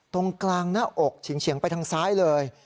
ตรงกลางหน้าอกเฉียงไปทางซ้ายเลย